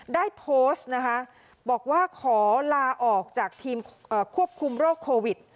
ได้โพสต์นะคะบอกว่าขอลาออกจากทีมควบคุมโรคโควิด